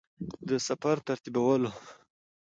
د سفر ترتیبول وه.